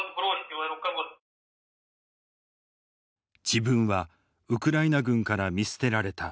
自分はウクライナ軍から見捨てられた。